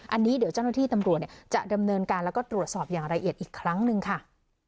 อันนี้เดี๋ยวเจ้าหน้าที่ตำรวจจะดำเนินการแล้วก็ตรวจสอบอย่างละเอียดอีกครั้งหนึ่งค่ะ